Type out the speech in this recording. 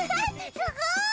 すごい！